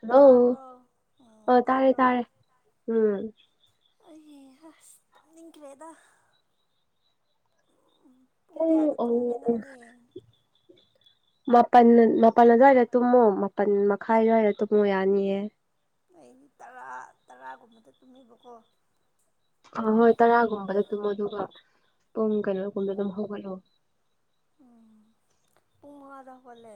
hello ꯇꯥꯕ꯭ꯔꯣ ꯎꯝ ꯑꯣ ꯇꯥꯔꯦ ꯇꯥꯕ꯭ꯔꯣ ꯇꯥꯔꯦ ꯎꯝ ꯑꯩ ꯍꯥ ꯑꯁ ꯇꯨꯝꯅꯤꯡꯈ꯭ꯔꯦꯗ ꯎ ꯎꯝ ꯄꯨꯡ ꯀꯌꯥꯗ ꯇꯨꯝꯒꯦ ꯅꯪꯗꯤ ꯃꯥꯄꯜ ꯃꯥꯄꯜ ꯑꯗꯨꯋꯥꯏꯗ ꯇꯨꯝꯃꯨ ꯃꯥꯄꯜ ꯃꯈꯥꯏ ꯑꯗꯨꯋꯥꯏꯗ ꯇꯨꯝꯃꯨ ꯌꯥꯅꯤꯌꯦ ꯑꯩꯗꯤ ꯇꯔꯥ ꯇꯔꯥꯒꯨꯝꯕꯗ ꯇꯨꯝꯃꯦꯕꯀꯣ ꯑ ꯍꯣꯏ ꯇꯔꯥꯒꯨꯝꯕꯗ ꯇꯨꯃꯣ ꯑꯗꯨꯒ ꯄꯨꯡ ꯀꯩꯅꯣꯒꯨꯝꯕ ꯑꯗꯨꯝ ꯍꯧꯒꯠꯂꯣ ꯎꯝ ꯄꯨꯡ ꯃꯉꯥꯗ ꯍꯧꯒꯠꯂꯦ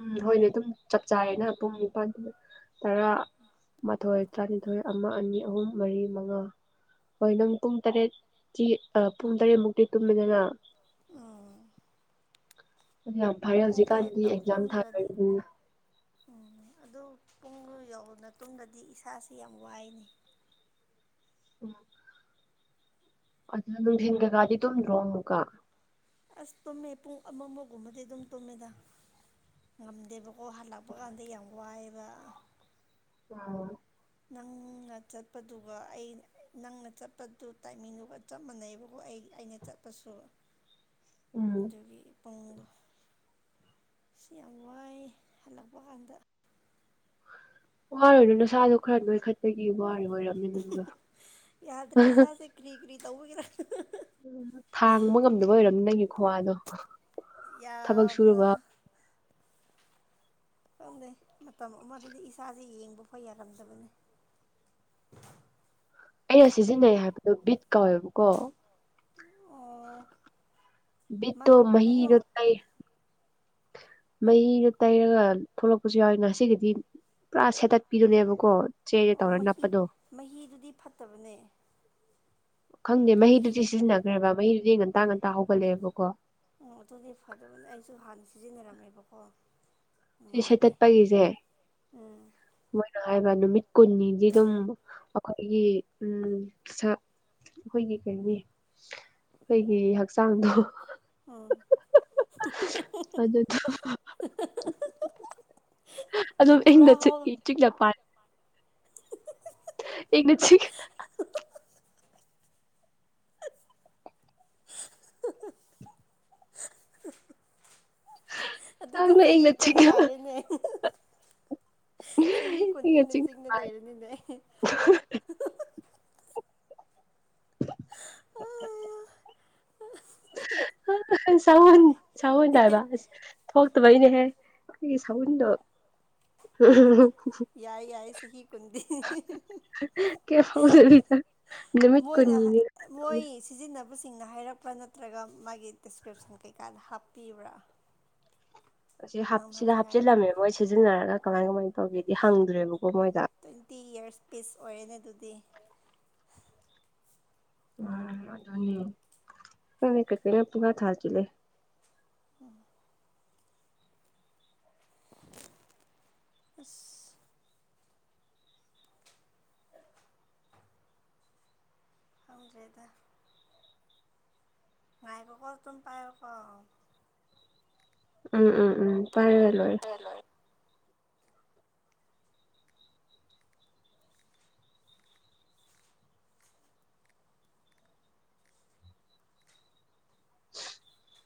ꯎꯝ ꯍꯣꯏꯅꯦ ꯑꯗꯨꯝ ꯆꯞ ꯆꯥꯔꯦꯅ ꯄꯨꯡ ꯅꯤꯄꯥꯜꯗꯨꯗ ꯇꯔꯥ ꯃꯥꯊꯣꯏ ꯇꯥꯅꯤꯊꯣꯏ ꯑꯃ ꯑꯅꯤ ꯑꯍꯨꯝ ꯃꯔꯤ ꯃꯉꯥ ꯍꯣꯏ ꯅꯪ ꯄꯨꯡ ꯇꯔꯦꯠꯀꯤ ꯄꯨꯡ ꯇꯔꯦꯠꯃꯨꯛꯇꯤ ꯇꯨꯝꯃꯤꯗꯅ ꯑ ꯑꯗꯨ ꯌꯥꯝ ꯐꯔꯦ ꯍꯧꯖꯤꯛꯀꯥꯟꯗꯤ ꯑꯦꯛꯖꯥꯝ ꯇꯨꯝꯗ꯭ꯔꯗꯤ ꯊꯥꯈꯔꯦ ꯎꯝ ꯑꯗꯨ ꯄꯨꯡ ꯈꯔꯥ ꯌꯥꯝꯅ ꯇꯨꯝꯗꯔꯗꯤ ꯏꯁꯥꯁꯤ ꯌꯥꯝ ꯋꯥꯏꯅꯦ ꯎꯝ ꯑꯗꯨꯅ ꯅꯨꯡꯊꯤꯟꯒꯀꯗꯤ ꯇꯨꯝꯗ꯭ꯔꯣ ꯑꯃꯨꯛꯀꯥ ꯑꯁ ꯇꯨꯝꯃꯦ ꯄꯨꯡ ꯑꯃꯃꯥ ꯒꯨꯝꯕꯗꯤ ꯑꯗꯨꯝ ꯇꯨꯝꯃꯦꯗ ꯉꯝꯗꯦꯕꯀꯣ ꯍꯜꯂꯛꯄ ꯀꯥꯟꯗ ꯌꯥꯝ ꯋꯥꯏꯑꯦꯕ ꯑꯣ ꯅꯪꯅ ꯆꯠꯄꯗꯨꯒ ꯑꯩ ꯅꯪꯅ ꯆꯠꯄꯗꯨ ꯇꯥꯏꯃꯤꯡꯗꯨꯒ ꯆꯞ ꯃꯥꯟꯅꯩꯕꯀꯣ ꯑꯩ ꯑꯩꯅ ꯆꯠꯄꯁꯨ ꯎꯝ ꯑꯗꯨꯒꯤ ꯄꯨꯡꯗꯣ ꯏꯁ ꯌꯥꯝ ꯋꯥꯏ ꯍꯜꯂꯛꯄ ꯀꯥꯟꯗ ꯋꯥꯔꯨꯅꯨ ꯅꯁꯥꯗꯣ ꯈꯔ ꯅꯣꯏꯈꯠꯄꯒꯤ ꯋꯥꯔꯤ ꯑꯣꯏꯔꯝ ꯌꯥꯗ꯭ꯔꯦ ꯏꯁꯥꯁꯦ ꯀ꯭ꯔꯤ ꯀ꯭ꯔꯤ ꯇꯧꯕꯒꯤꯔꯥ ꯎ ꯊꯥꯡꯕ ꯉꯝꯗꯕ ꯑꯣꯏꯔꯕꯝꯅꯤ ꯅꯪꯒꯤ ꯈꯨ꯭ꯋꯥꯗꯣ ꯊꯕꯛ ꯁꯨꯨꯔ ꯌꯥꯝꯅ ꯋꯥꯕ ꯈꯪꯗꯦ ꯃꯇꯝ ꯑꯃꯗꯗꯤ ꯏꯁꯥꯁꯦ ꯌꯦꯡꯕꯐꯥꯎ ꯌꯥꯔꯝꯗꯕꯅꯤ ꯑꯩꯅ ꯁꯤꯖꯤꯟꯅꯩ ꯍꯥꯏꯕꯗꯣ ꯕꯤꯠ ꯀꯧꯋꯦꯕꯀꯣ ꯑꯣ ꯚꯤꯠꯇꯣ ꯃꯍꯤ ꯀꯩꯅꯣ ꯃꯍꯤꯗꯣ ꯇꯩ ꯃꯍꯤꯗꯣ ꯇꯩꯔꯒ ꯊꯣꯂꯛꯄꯁꯨ ꯌꯥꯎꯋꯤ ꯉꯁꯤꯒꯤꯗꯤ ꯄꯨꯔꯥ ꯁꯦꯇꯠꯄꯤꯗꯨꯅꯦꯕ ꯀꯣ ꯑꯣ ꯃꯍꯤ ꯃꯍꯤꯗꯨꯗꯤ ꯐꯠꯇꯕꯅꯦ ꯈꯪꯗꯦ ꯑꯗꯨꯗꯤ ꯃꯍꯤꯗꯨꯗꯤ ꯁꯤꯖꯤꯟꯅꯈ꯭ꯔꯦꯕ ꯃꯍꯤꯗꯨꯗꯤ ꯉꯟꯇꯥ ꯉꯟꯇꯥ ꯍꯧꯒꯠꯂꯛꯑꯦꯕꯀꯣ ꯑꯣ ꯑꯗꯨꯗꯤ ꯐꯗꯕꯅꯦ ꯑꯩꯁꯨ ꯍꯥꯟꯅ ꯁꯤꯖꯤꯟꯅꯔꯝꯃꯦꯕꯀꯣ ꯁꯤ ꯅꯨꯡꯉꯥꯏꯇꯦ ꯁꯦꯠꯇꯠꯄꯒꯤꯁꯦ ꯎꯝ ꯃꯣꯏꯅ ꯍꯥꯏꯕ ꯅꯨꯃꯤꯠ ꯀꯨꯟꯅꯤꯗꯤ ꯑꯗꯨꯝ ꯑꯩꯈꯣꯏꯒꯤ ꯎꯝ ꯑꯩꯈꯣꯏꯒꯤ ꯀꯩꯅꯤ ꯑꯩꯈꯣꯏꯒꯤ ꯍꯛꯆꯥꯡꯗꯣ ꯑꯥ ꯑꯗꯨꯗꯣ ꯑꯗꯣ ꯄꯨꯔꯥ ꯑꯍꯤꯡꯗ ꯆꯤꯛ ꯍꯧ ꯆꯤꯛꯂꯛꯄ ꯏꯪꯅ ꯆꯤꯛ ꯑꯗꯨꯗꯤ ꯆꯥꯡꯅ ꯆꯍꯤ ꯏꯪꯅ ꯀꯨꯟ ꯆꯤꯛꯅ ꯇꯥꯔꯦꯅꯦ ꯆꯍꯤ ꯀꯨꯟ ꯏꯪꯅ ꯆꯤꯛꯅ ꯆꯤꯡꯅ ꯄꯥꯏ ꯂꯩꯔꯅꯤꯅꯦ [inaudible] ꯁꯎꯟ ꯁꯥꯎꯟ ꯍꯥꯏꯕ ꯊꯣꯛꯇꯕꯩꯅꯦꯍꯦ ꯑꯩꯒꯤ ꯁꯎꯟꯗꯣ ꯌꯥꯏ ꯌꯥꯏ ꯆꯍꯤ ꯀꯨꯟꯗꯤ ꯀꯌꯥ ꯐꯥꯎ ꯃꯣꯏꯅ ꯍꯥꯏ ꯃꯣꯏ ꯁꯤꯖꯤꯟꯅꯕꯁꯤꯡꯅ ꯍꯥꯏꯔꯛꯄ꯭ꯔꯥ ꯅꯠꯇ꯭ꯔꯒ ꯃꯥꯒꯤ ꯗꯤꯁꯀ꯭ꯔꯤꯞꯁꯟ ꯀꯩꯀꯥꯗ ꯍꯥꯞꯄꯤꯕ꯭ꯔꯥ ꯁꯤ ꯅꯪꯅ ꯁꯤꯗ ꯍꯧꯖꯤꯛ ꯍꯥꯏꯗꯣ ꯍꯥꯞꯆꯤꯜꯂꯝꯃꯦꯕ ꯃꯣꯏ ꯁꯤꯖꯤꯟꯅꯔꯒ ꯀꯃꯥꯏ ꯀꯃꯥꯏꯅ ꯇꯧꯒꯦꯗꯤ ꯍꯪꯗ꯭ꯔꯦꯕꯀꯣ ꯃꯣꯏꯗ ꯑꯗꯨꯗꯤ ꯌꯥꯔ ꯄꯤꯁ ꯑꯣꯏꯔꯦꯅꯦ ꯑꯗꯨꯗꯤ [unintelligible] ꯑꯁ ꯐꯪꯗ꯭ꯔꯦꯗ ꯉꯥꯏꯀꯣ ꯀꯣ ꯑꯗꯨꯝ ꯇꯥꯏꯔ ꯀꯣ ꯎꯝ ꯎꯝ ꯎꯝ ꯄꯔꯒꯂꯣ [unintelligible]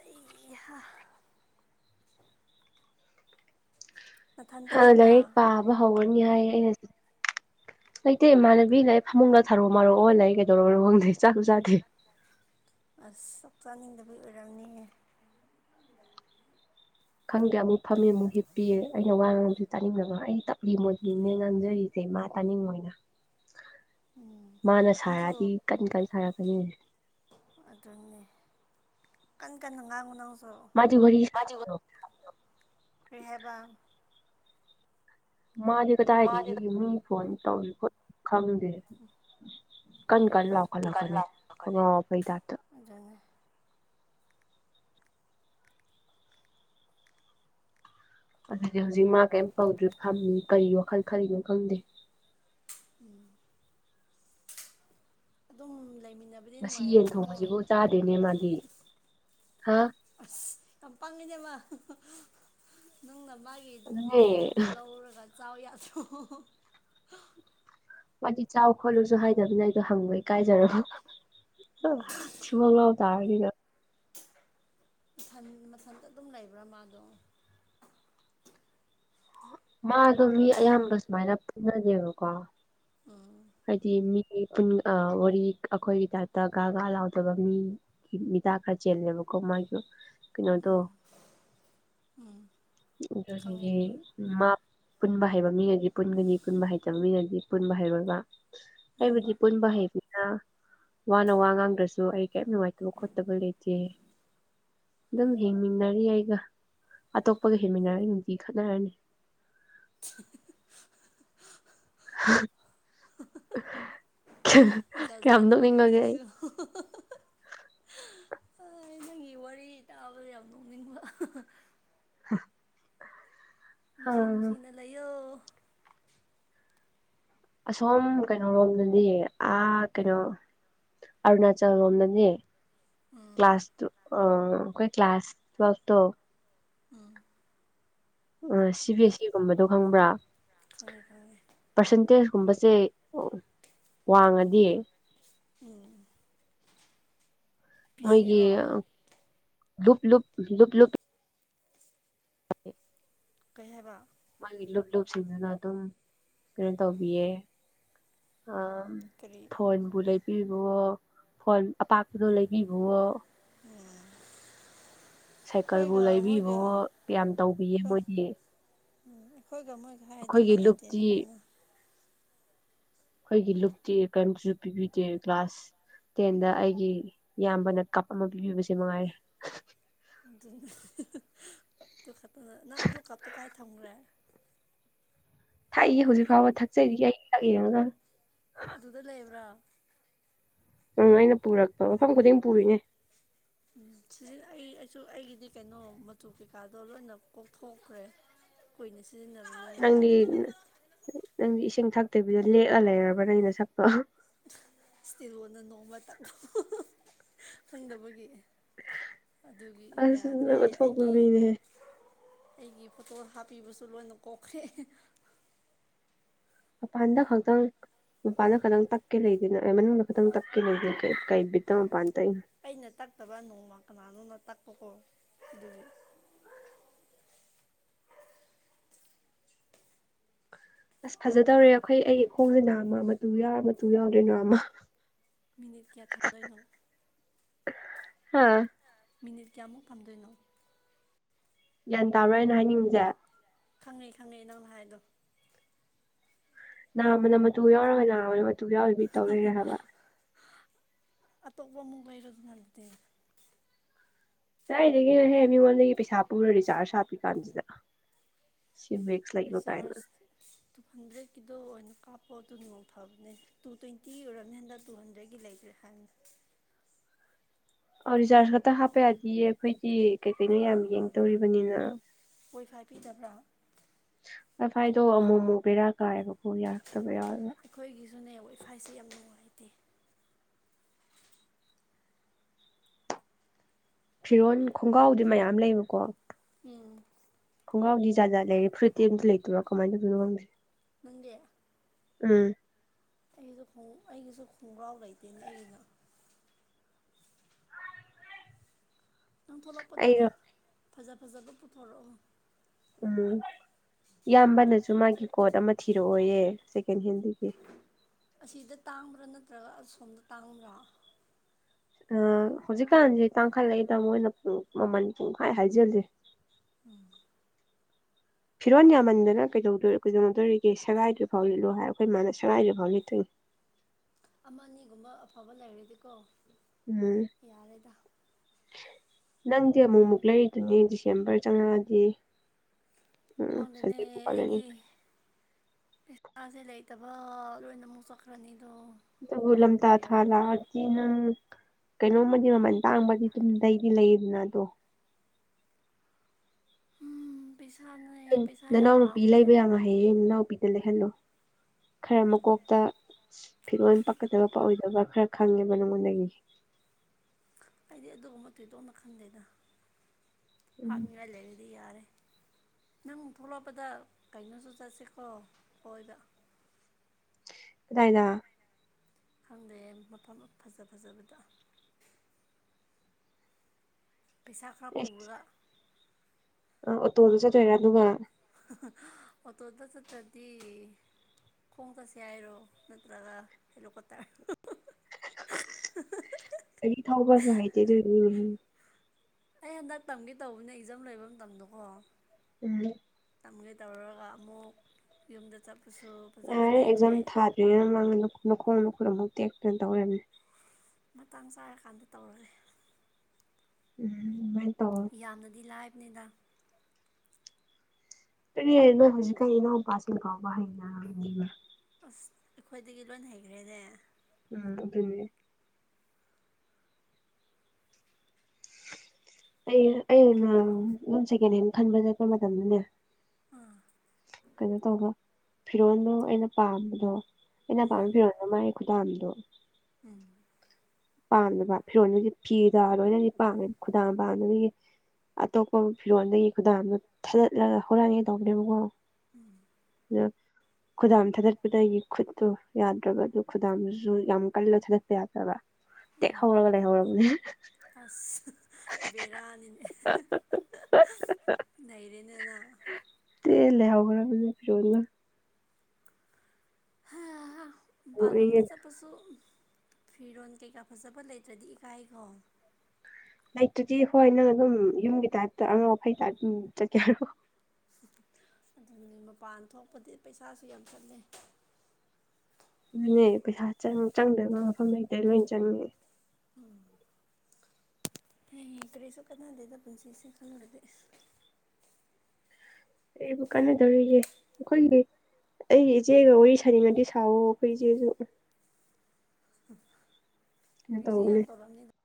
ꯑꯩꯍꯥ ꯅꯊꯟꯇ ꯑ ꯂꯩꯕ꯭ꯔꯥ ꯂꯥꯏꯔꯤꯛ ꯄꯥꯕ ꯍꯧꯒꯅꯤ ꯌꯥꯏ ꯑꯩꯅ ꯂꯩꯇꯦ ꯏꯃꯥꯟꯅꯕꯤ ꯂꯩ ꯐꯃꯨꯡꯗ ꯊꯥꯔꯣ ꯃꯔꯣꯛꯑꯣ ꯂꯩ ꯀꯩꯗꯧꯔꯔ ꯈꯪꯗꯦ ꯆꯥꯁꯨ ꯆꯥꯗꯦ ꯑꯁ ꯆꯞ ꯆꯥꯅꯤꯡꯗꯕꯤꯒꯤ ꯑꯣꯏꯔꯝꯅꯦ ꯈꯪꯗꯦ ꯑꯃꯨꯛ ꯐꯝꯃꯦ ꯑꯃꯨꯛ ꯍꯤꯞꯄꯤꯌꯦ ꯑꯩꯅ ꯋꯥ ꯉꯗꯤ ꯇꯥꯅꯤꯡꯉ ꯑꯩ ꯇꯞꯂꯤ ꯃꯣꯗꯤꯅꯦ ꯉꯥꯡꯖꯔꯤꯁꯦ ꯁꯤ ꯃꯥ ꯇꯥꯅꯤꯡꯕꯣꯏꯅ ꯎꯝ ꯃꯥꯅ ꯅꯪꯁꯨ ꯁꯥꯔꯛꯑꯗꯤ ꯀꯟ ꯀꯟꯅ ꯁꯥꯔꯛꯀꯅꯤ ꯑꯗꯨꯅꯦ ꯀꯟꯅ ꯀꯟꯅ ꯉꯥꯡꯉꯨ ꯅꯪꯁꯨ ꯃꯥꯗꯤ ꯋꯥꯔꯤ ꯁꯥꯕꯗꯣ ꯀꯔꯤꯍꯕ ꯃꯥꯗꯤ ꯀꯗꯥꯏ ꯍꯥꯏꯗꯤ ꯏꯨꯡ ꯐꯣꯟ ꯇꯧꯔꯤ ꯈꯣꯂꯤ ꯈꯪꯗꯦ ꯀꯟ ꯀꯟ ꯂꯥꯎꯈꯠ ꯂꯥꯛꯀꯅꯤ ꯑ ꯐꯩ ꯇꯥꯛꯇ ꯑꯗꯨꯅꯦ ꯑꯗꯨꯗꯤ ꯍꯧꯖꯤꯛ ꯃꯥ ꯀꯩꯝ ꯇꯧꯗ꯭ꯔꯤ ꯐꯝꯃꯤ ꯀꯔꯤ ꯋꯥꯈꯜ ꯀꯔꯤꯅꯣ ꯈꯪꯗꯦ ꯎꯝ ꯂꯩꯃꯤꯟꯅꯕ ꯉꯁꯤ ꯌꯦꯟ ꯊꯣꯡꯕꯁꯤꯕꯨ ꯆꯥꯗꯦꯅꯦ ꯃꯥꯗꯤ ꯍꯥ ꯑꯁ ꯌꯥꯝ ꯄꯪꯉꯤꯗ ꯃꯥ ꯅꯪꯅ ꯃꯥ ꯑꯗꯨꯅꯦ ꯀꯩꯅꯣꯗꯣ ꯂꯧꯔꯒ ꯆꯥꯎ ꯌꯥꯗ꯭ꯔꯣ ꯃꯥꯗꯤ ꯆꯥꯎ ꯈꯣꯠꯂꯨꯁꯨ ꯍꯥꯏꯗꯕꯅ ꯑꯩꯗꯣ ꯍꯪꯕꯗ ꯏꯀꯥꯏꯖꯔꯕ ꯊꯤꯕꯣꯡ ꯂꯥꯎ ꯇꯥꯔꯅꯤꯅ ꯃꯊꯟ ꯃꯊꯟꯇ ꯑꯗꯨꯝ ꯂꯩꯕ꯭ꯔꯥ ꯃꯥꯗꯣ ꯃꯥꯗꯣ ꯃꯤ ꯑꯌꯥꯝꯕ ꯁꯨꯃꯥꯏꯅ ꯄꯨꯟꯅꯗꯦꯕꯀꯣ ꯎꯝ ꯍꯥꯏꯗꯤ ꯃꯤ ꯋꯥꯔꯤ ꯑꯩꯈꯣꯏꯒꯤ ꯇꯥꯏꯞꯇ ꯒꯒꯥ ꯂꯥꯎꯗꯕ ꯃꯤ ꯃꯤꯗꯥ ꯈꯔ ꯆꯦꯜꯂꯦꯕꯀꯣ ꯃꯥꯏꯗꯣ ꯀꯩꯅꯣꯗꯣ ꯎꯝ ꯌꯨꯝ ꯆꯠꯈꯤꯒꯦ ꯈꯪꯉꯦ ꯈꯪꯉꯦ ꯃꯥ ꯄꯨꯟꯕ ꯍꯩꯕ ꯃꯤꯅꯗꯤ ꯄꯨꯟꯒꯅꯤ ꯄꯨꯟꯕ ꯍꯩꯇꯕ ꯃꯤꯅꯗꯤ ꯄꯨꯟꯕ ꯍꯩꯔꯣꯏ ꯃꯥ ꯎꯝ ꯑꯩꯕꯨꯗꯤ ꯄꯨꯟꯕ ꯍꯩꯕꯤ ꯅ ꯃꯥꯅ ꯋꯥ ꯉꯥꯡꯗ꯭ꯔꯁꯨ ꯑꯩ ꯀꯦꯝ ꯅꯨꯡꯉꯥꯏꯇꯕ ꯈꯣꯠꯇꯕ ꯂꯩꯇꯦ ꯑꯗꯨꯝ ꯍꯤꯡꯃꯤꯟꯅꯔꯤ ꯑꯩꯒ ꯑꯇꯣꯞꯄꯒ ꯍꯦꯟꯃꯤꯟꯅꯔꯗꯤ ꯅꯨꯡꯇꯤ ꯈꯠꯅꯔꯅꯤ [unintelligible] [unintelligible] ꯖꯥ ꯀꯌꯥꯝ ꯖꯥꯠꯅꯤ ꯀꯣ ꯅꯣꯛꯅꯤꯡꯉꯒꯦ ꯑꯩ ꯃꯤꯁꯤꯁꯨ ꯅꯪꯒꯤ ꯋꯥꯔꯤ ꯇꯥꯕꯗ ꯌꯥꯝ ꯅꯣꯛꯅꯤꯡꯕ ꯑ ꯅꯨꯡꯁꯤ ꯅꯨꯡꯁꯤꯅ ꯂꯩꯌꯣ ꯑꯁꯣꯝ ꯀꯩꯅꯣꯔꯣꯝꯗꯗꯤ ꯑꯥ ꯀꯩꯅꯣ ꯑꯔꯨꯅꯥꯆꯜ ꯂꯣꯝꯗꯗꯤ ꯎꯝ ꯀ꯭ꯂꯥꯁ ꯇ ꯑꯩꯈꯣꯏ ꯀ꯭ꯂꯥꯁ ꯇꯋꯦꯜꯐꯇꯣ ꯎ ꯁꯤ ꯕꯤ ꯑꯦ ꯁꯤ ꯒꯨꯝꯕꯗꯣ ꯈꯪꯕ꯭ꯔꯥ ꯈꯪꯉꯦ ꯈꯪꯉꯦ ꯄꯥꯔꯁꯦꯟꯇꯦꯖ ꯀꯨꯝꯕꯁꯦ ꯋꯥꯡꯉꯗꯤ ꯎꯝ ꯃꯣꯏꯒꯤ ꯄꯤꯁꯤꯔꯣ ꯂꯨꯞ ꯂꯨꯞ ꯂꯨꯞ ꯂꯨꯞ [unintelligible] ꯀꯩ ꯍꯥꯏꯕ ꯃꯥꯒꯤ ꯂꯨꯞ ꯂꯨꯞꯁꯤꯡꯗꯨꯅ ꯑꯗꯨꯝ ꯀꯩꯅꯣ ꯇꯧꯕꯤꯌꯦ ꯎꯝ ꯀꯔꯤ ꯐꯣꯟꯕꯨ ꯂꯩꯕꯤꯕꯋꯣ ꯐꯣꯟ ꯑꯄꯥꯛꯄꯗꯣ ꯂꯩꯕꯤꯕꯋꯣ ꯎꯝ ꯁꯥꯏꯀꯜꯕꯨ ꯂꯩꯕꯤꯕꯋꯣ ꯌꯥꯝ ꯇꯧꯕꯤꯌꯦ ꯃꯣꯏꯗꯤ ꯎꯝ ꯑꯩꯈꯣꯏꯒ ꯃꯣꯏꯒ ꯍꯥꯏꯔꯗꯤ ꯑꯩꯈꯣꯏꯒꯤ ꯃꯥꯟꯅꯗꯦ ꯂꯨꯞꯇꯤ ꯑꯗꯨꯅ ꯑꯩꯈꯣꯏꯒꯤ ꯂꯨꯞꯇꯤ ꯀꯦꯝꯁꯨ ꯄꯤꯕꯤꯗꯦ ꯒ꯭ꯂꯥꯁ ꯇꯦꯟꯗ ꯑꯩꯒꯤ ꯏꯌꯥꯝꯕꯅ ꯀꯞ ꯑꯃ ꯄꯤꯕꯤꯕꯁꯦ ꯃꯉꯥꯏꯔꯦ ꯑꯗꯨ ꯈꯛꯇꯅ ꯅꯪ ꯑꯗꯨ ꯀꯞꯇꯣ ꯀꯥꯏ ꯊꯝꯈ꯭ꯔꯦ ꯊꯛꯏ ꯍꯧꯖꯤꯛ ꯌꯨꯝꯗ ꯐꯥꯎꯕ ꯊꯛꯆꯔꯤ ꯑꯩ ꯁꯛꯌꯦꯡꯉꯒ ꯑꯗꯨꯗ ꯂꯩꯕ꯭ꯔꯥ ꯎꯝ ꯑꯩꯅ ꯄꯨꯔꯛꯄ ꯃꯐꯝ ꯈꯨꯗꯤꯡ ꯄꯨꯔꯤꯅꯦ [inaudible] ꯎꯝ ꯁꯤꯗꯤ ꯑꯩ ꯑꯩꯁꯨ ꯑꯩꯒꯤꯗꯤ ꯀꯩꯅꯣ ꯃꯆꯨ ꯀꯩꯀꯥꯗꯣ ꯂꯣꯏꯅ ꯀꯣꯛꯊꯣꯛꯈ꯭ꯔꯦ ꯀꯨꯏꯅꯤ ꯁꯤꯖꯤꯟꯅꯕ ꯅꯪꯗꯤ ꯅꯪꯗꯤ ꯏꯁꯤꯡ ꯊꯛꯇꯕꯤꯗꯣ ꯂꯦꯛꯑ ꯂꯩꯔꯕ꯭ꯔꯥ ꯅꯪꯩ ꯅꯁꯛꯇꯣ ꯏꯁꯇꯤꯜꯣꯟꯗ ꯅꯣꯡꯃ ꯇꯪ ꯐꯦꯡꯗꯕꯒꯤ ꯑꯗꯨꯒꯤ ꯑꯁ ꯌꯥꯗ꯭ꯔꯦ ꯑꯣꯟꯊꯣꯛꯄ ꯑꯩꯒꯤ ꯃꯤꯅꯦꯍꯦ ꯑꯩꯒꯤ ꯐꯣꯇꯣ ꯍꯥꯞꯄꯤꯕꯁꯨ ꯂꯣꯏꯅ ꯀꯣꯛꯈ꯭ꯔꯦ ꯄꯥꯟꯗ ꯈꯥꯎꯗ ꯃꯄꯥꯟꯗ ꯈꯤꯇꯪ ꯇꯛꯀꯦ ꯂꯩꯗꯦꯅ ꯃꯅꯨꯡꯗ ꯈꯤꯇꯪ ꯇꯛꯀꯦ ꯂꯩꯦ ꯀꯩꯠꯇ ꯃꯄꯥꯟꯗ ꯑꯩꯅ ꯇꯛꯇꯕ ꯅꯣꯡꯃ ꯀꯅꯥꯅꯣꯅ ꯇꯛꯄꯀꯣ ꯑꯗꯨꯗꯤ ꯑꯁ ꯐꯖꯗꯧꯔꯦ ꯑꯩꯈꯣꯏ ꯑꯩꯒꯤ ꯈꯣꯡꯁꯤꯦ ꯅꯅꯥ ꯑꯃ ꯃꯇꯨ ꯌꯥꯎꯔ ꯃꯇꯨ ꯌꯥꯎꯗꯣꯏꯅꯣ ꯑꯃ ꯃꯤꯅꯤꯠ ꯀꯌꯥ ꯊꯝꯗꯣꯏꯅꯣ ꯍꯥꯥ ꯃꯤꯅꯤꯠ ꯀꯌꯥꯃꯨꯛ ꯄꯥꯝꯗꯣꯏꯅꯣ ꯒ꯭ꯌꯥꯟ ꯇꯥꯔꯣꯏꯅ ꯍꯥꯏꯅꯤꯡꯕꯁꯦ ꯈꯪꯉꯤ ꯈꯪꯉꯦ ꯅꯪꯅ ꯍꯥꯏꯗꯣ ꯅꯥ ꯃꯅ ꯃꯆꯨ ꯌꯥꯎꯔꯒ ꯂꯅꯥ ꯑꯇꯣꯞꯄ ꯑꯃ ꯂꯩꯔꯁꯨ ꯅꯗꯦ ꯅꯗꯒꯤꯍꯦ ꯃꯤꯉꯣꯟꯗꯒꯤ ꯄꯩꯁꯥ ꯄꯨꯔ ꯔꯤꯆꯥꯔꯖ ꯍꯥꯞꯄꯤ ꯀꯥꯟꯁꯤꯗ ꯁꯤꯕꯦꯛ ꯔꯤꯆꯥꯔꯖ ꯇꯨ ꯍꯟꯗ꯭ꯔꯦꯠꯀꯤꯗꯣ ꯑꯣꯏꯅ ꯀꯥꯞꯄꯣ ꯑꯗꯨ ꯅꯣꯡ ꯐꯕꯅꯦ ꯇꯨ ꯇ꯭ꯋꯦꯟꯇꯤ ꯑꯣꯏꯔꯝꯅꯤ ꯍꯟꯗ ꯇꯨ ꯍꯟꯗ꯭ꯔꯦꯠꯀꯤ ꯂꯩꯇ꯭ꯔꯦ ꯍꯥꯏꯅ ꯑ ꯔꯤꯆꯥꯔꯖ ꯈꯛꯇ ꯍꯥꯞꯄ ꯌꯥꯗꯤꯌꯦ ꯑꯩꯈꯣꯏꯗꯤ ꯀꯩ ꯀꯩꯅꯣ ꯌꯥꯝ ꯌꯦꯡꯗꯧꯔꯤꯕꯅꯤꯅ ꯋꯥꯏꯐꯥꯏ ꯄꯤꯗꯕ꯭ꯔꯥ ꯑꯐꯥꯏꯗꯣ ꯑꯃꯨ ꯑꯃꯨꯕꯦꯔꯥ ꯀꯥꯏꯌꯦꯕꯀꯣ ꯌꯥꯔꯛꯇꯕ ꯌꯥꯎꯕ ꯑꯩꯈꯣꯏꯒꯤꯁꯨꯅꯦ ꯋꯥꯏꯐꯥꯏꯁꯤꯦ ꯌꯥꯝ ꯅꯨꯡꯉꯥꯏꯇꯦ ꯐꯤꯔꯣꯟꯜ ꯈꯣꯡꯒ꯭ꯔꯥꯎꯗꯤ ꯃꯌꯥꯝ ꯂꯩꯕꯀꯣ ꯎꯝ ꯈꯣꯡꯒꯥꯎ ꯖꯥꯠ ꯂꯩꯔ ꯐꯨꯠꯇꯤ ꯑꯝꯇ ꯂꯩꯇꯕꯣ ꯀꯃꯥꯏꯅ ꯇꯧꯅꯣ ꯉꯪꯗ꯭ꯔꯦ ꯃꯖꯦ ꯎꯝ ꯑꯩꯁꯨ ꯑꯩꯒꯤꯁꯨ ꯈꯣꯡꯒ꯭ꯔꯥꯎ ꯂꯩꯇꯦꯅꯦ ꯑꯩꯒꯤꯅ ꯅꯪ ꯊꯣꯛꯂꯛꯄꯗ ꯑꯩꯒ ꯐꯖ ꯐꯖꯕ ꯄꯨꯊꯣꯔꯛꯑꯣ ꯎꯝ ꯏꯌꯥꯝꯕꯅꯁꯨ ꯃꯥꯒꯤ ꯀꯣꯠ ꯑꯃ ꯊꯤꯔꯛꯑꯣꯌꯦ ꯁꯦꯀꯦꯟ ꯍꯦꯟꯗꯒꯤ ꯑꯁꯤꯗ ꯇꯥꯡꯕ꯭ꯔꯥ ꯅꯠꯇ꯭ꯔꯒ ꯑꯁꯣꯝꯗ ꯇꯥꯡꯕ꯭ꯔꯥ ꯍꯧꯖꯤꯛꯀꯥꯟꯁꯦ ꯇꯥꯡꯈꯠꯂꯛꯏꯗ ꯃꯣꯏꯅ ꯄꯨꯡ ꯃꯃꯟ ꯄꯨꯡꯈꯥꯏ ꯍꯥꯏꯖꯜꯂꯦ ꯎꯝ ꯐꯤꯔꯣꯟꯜ ꯌꯥꯝꯃꯟꯗꯅ ꯀꯩꯗꯧ ꯀꯩꯗꯧꯗꯣꯔꯤꯒꯦ ꯁꯉꯥꯏꯗꯨꯐꯥꯎ ꯂꯤꯠꯂꯣ ꯍꯥꯏꯔ ꯑꯩꯈꯣꯏ ꯃꯥꯅ ꯁꯉꯥꯏꯗꯨꯐꯥꯎ ꯂꯤꯠꯇꯣꯏꯅꯤ ꯑꯃ ꯑꯅꯤꯒꯨꯝꯕ ꯑꯐꯕ ꯂꯩꯔꯗꯤꯀꯣ ꯎꯝ ꯌꯥꯔꯦꯗ ꯅꯪꯗꯤ ꯑꯃꯨꯛ ꯑꯃꯨꯛ ꯂꯩꯔꯤꯗꯨꯅꯦꯗꯤ ꯆꯦꯝꯕꯔ ꯆꯪꯉꯛꯑꯗꯤ ꯎꯝ ꯍꯗꯅꯦ ꯁꯖꯦꯕꯨ ꯀꯠꯂꯅꯤ ꯑꯩꯒꯤ ꯄꯩꯁꯥꯁꯦ ꯂꯩꯇꯕ ꯂꯣꯏꯅ ꯑꯃꯨꯛ ꯆꯠꯈ꯭ꯔꯅꯤꯗꯣ ꯕꯨ ꯂꯝꯂꯝ ꯇ ꯅꯣꯕꯦꯝꯕꯔ ꯊꯂꯥ ꯌꯧꯔꯗꯤ ꯁꯤ ꯅꯪ ꯀꯩꯅꯣꯝꯃꯗꯤ ꯃꯃꯜ ꯇꯥꯡꯕꯗꯤ ꯑꯗꯨꯝ ꯂꯩꯗꯤ ꯂꯩꯌꯦꯗꯅ ꯑꯗꯣ ꯎꯝ ꯄꯩꯁꯥ ꯉ ꯅꯅꯥꯎꯅꯨꯄꯤ ꯂꯩꯕ ꯌꯥ ꯌꯥꯝꯃ ꯍꯌꯦꯡ ꯏ ꯅꯥꯎꯕꯤꯗ ꯂꯩꯍꯜꯂꯨ ꯈꯔ ꯃꯀꯣꯛꯇ ꯐꯤꯠꯣꯟ ꯄꯛꯀꯗꯕ ꯑꯣꯏꯗꯕ ꯈꯔ ꯈꯪꯉꯦꯕ ꯅꯪꯉꯣꯟꯗꯒꯤ ꯑꯩꯗꯤ ꯑꯗꯨꯒꯨꯝꯕ ꯊꯣꯏꯗꯣꯛꯅ ꯈꯟꯗꯦꯗ ꯎꯝ ꯍꯥꯞꯅꯤꯡꯉꯥꯏ ꯂꯩꯔꯗꯤ ꯌꯥꯔꯦ ꯅꯪ ꯊꯣꯛꯂꯛꯄꯗ ꯀꯩꯅꯩꯅꯣꯁꯨ ꯆꯠꯁꯤꯀꯣ ꯀꯣꯏꯕ ꯇꯥꯏꯅ ꯈꯪꯗꯦ ꯃꯐꯝ ꯐꯖ ꯐꯖꯕꯗ ꯄꯩꯁꯥ ꯈꯔ ꯄꯨꯔꯒ ꯑ ꯑꯣꯇꯣꯗꯨ ꯆꯠꯠꯇꯣꯏꯔꯥ ꯑꯗꯨꯒ ꯑ ꯇꯣꯗ ꯆꯠꯇꯗꯤ ꯈꯣꯡ ꯆꯠꯁꯤꯦ ꯍꯥꯏꯔꯣ ꯅꯠꯇ꯭ꯔꯒ ꯍꯦꯂꯣꯀꯇꯥ ꯑꯩ ꯊꯧꯕꯁꯨ ꯍꯥꯏꯩꯇꯦ ꯑꯗꯨ ꯎꯝ ꯑꯩ ꯍꯟꯗꯛ ꯇꯝꯒꯦ ꯇꯧꯕꯅ ꯑꯦꯛꯖꯥꯝ ꯂꯩꯕ ꯃꯇꯝꯗꯣꯀꯣ ꯎꯝ ꯇꯝꯒꯦ ꯇꯧꯔꯨꯔꯒ ꯑꯃꯨꯛ ꯌꯨꯝꯗ ꯆꯠꯄꯁꯨ ꯐꯖꯅ ꯌꯥꯔꯦ ꯂꯩꯇ꯭ꯔꯦ ꯑꯦꯛꯖꯥꯝ ꯊꯥꯗ꯭ꯔꯤꯉꯩ ꯃ ꯃꯈꯣꯡ ꯃꯈꯨꯠ ꯑꯃꯨꯛ ꯇꯦꯛꯇꯨꯅ ꯇꯧꯔꯝꯅꯦ ꯃꯇꯥꯡ ꯆꯥꯔꯀꯥꯟꯗ ꯇꯧꯔꯑꯦ ꯎꯝ ꯃꯥꯏ ꯇ ꯌꯥꯝꯅꯗꯤ ꯂꯥꯏꯕꯅꯤꯗ ꯐꯟꯅ ꯍꯧꯖꯤꯀꯩꯅ ꯄꯥꯁꯤ ꯄꯕ ꯑꯁ ꯑꯩꯈꯣꯏꯗꯒꯤ ꯂꯣꯏ ꯍꯩꯈ꯭ꯔꯦꯅꯦ ꯎꯝ ꯑꯗꯨꯅꯦ ꯑꯩ ꯑ ꯑꯗꯨꯝ ꯁꯦꯀꯦꯟ ꯍꯦꯟ ꯈꯟꯕ ꯆꯠꯄ ꯃꯇꯝꯗꯅꯦ ꯑꯥ ꯀꯩꯅꯣ ꯇꯧꯕ ꯐꯤꯔꯣꯜꯗꯣ ꯑꯩꯅ ꯄꯥꯝꯕꯗꯣ ꯑꯩꯅ ꯎꯝ ꯑꯄꯥꯝꯕ ꯐꯤꯔꯣꯜ ꯃꯥꯏ ꯈꯨꯗꯥꯝꯗꯣ ꯎꯝ ꯄꯥꯝꯕ ꯐꯤꯔꯣꯟꯜꯗꯨꯒꯤ ꯐꯤꯗ ꯂꯣꯏꯅꯗꯤ ꯄꯥꯝꯃꯦꯕ ꯈꯨꯗꯥꯡ ꯄꯥꯝꯗꯨꯗꯒꯤ ꯑꯇꯣꯞꯄ ꯐꯤꯔꯣꯜꯗꯒꯤ ꯈꯨꯗꯥꯝꯗꯣ ꯊꯥꯗꯠꯂꯒ ꯍꯧꯔꯛꯑꯒꯦ ꯇꯧꯕꯅꯦꯕꯀꯣ ꯎꯝ ꯌꯦ ꯈꯨꯗꯥꯝ ꯊꯥꯗꯠꯄꯗꯒꯤ ꯈꯨꯠꯇꯨ ꯌꯥꯗ꯭ꯔꯕ ꯑꯗꯨ ꯈꯨꯗꯥꯝꯗꯨꯁꯨ ꯌꯥꯝ ꯀꯜꯂ ꯊꯥꯗꯠꯄ ꯌꯥꯗ꯭ꯔꯕ ꯈꯔꯒꯜ ꯂꯩ ꯍꯔ ꯑꯁ ꯕꯤꯔꯅꯤꯅꯦ ꯅꯩꯅꯔꯦꯅꯅ ꯇ ꯂꯦꯎꯕꯔ ꯐꯅ ꯍꯥꯥ ꯅꯣꯛꯅꯤꯡꯉꯦ ꯃꯄꯥꯟꯜꯂꯣꯝꯗ ꯆꯠꯄꯁꯨ ꯐꯤꯔꯣꯜ ꯀꯩꯀꯥ ꯐꯖꯕ ꯂꯩꯇ꯭ꯔꯗꯤ ꯏꯀꯥꯏꯈꯣ ꯂꯩꯇꯗꯤ ꯍꯣꯏ ꯅꯪ ꯑꯗꯨꯝ ꯌꯨꯝꯒꯤ ꯇꯥꯏꯞꯇ ꯑꯉꯥꯡꯈꯩ ꯇꯥꯏꯞ ꯑꯗꯨꯝ ꯆꯠꯀꯦꯣ ꯎ ꯑꯗꯨꯅ ꯃꯄꯥꯟ ꯊꯣꯛꯄꯗꯤ ꯄꯩꯁꯥꯁꯨ ꯌꯥꯝ ꯆꯠꯂꯦ ꯑꯗꯨꯅꯦ ꯄꯩꯁꯥ ꯆꯪꯗꯕ ꯃꯐꯝ ꯂꯩꯗ ꯂꯣꯏ ꯆꯪꯉꯦ ꯍ ꯀꯔꯤꯁꯨ ꯀꯥꯟꯅꯗꯦꯗ ꯄꯨꯟꯁꯤꯁꯤꯦ ꯈꯪꯗꯗꯦ ꯑꯩꯕꯨ ꯀꯥꯟꯅꯗꯧꯔꯤꯒ ꯑꯩꯈꯣꯏꯒꯤ ꯑꯩꯒꯤ ꯏꯆꯦꯒ ꯋꯥꯔꯤ ꯁꯥꯅꯤꯡꯉꯗꯤ ꯁꯥꯥꯎꯋ ꯑꯩꯈꯣꯏ ꯏꯆꯦꯁꯨ ꯀꯩꯅꯣ ꯕꯤꯖꯤ ꯇꯧꯕꯅꯦ ꯌꯥꯝꯅ ꯇꯔꯅꯤ